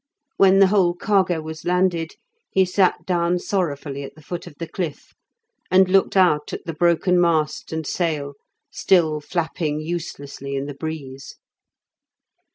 When the whole cargo was landed, he sat down sorrowfully at the foot of the cliff, and looked out at the broken mast and sail, still flapping uselessly in the breeze.